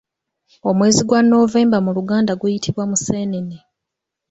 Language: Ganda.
Omwezi gwa November mu luganda guyitibwa Museenene.